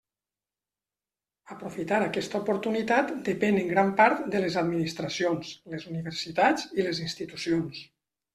Aprofitar aquesta oportunitat depèn en gran part de les administracions, les universitats i les institucions.